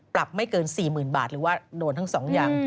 ปรับไม่เกิน๔๐๐๐บาทหรือว่าโดนทั้ง๒อย่าง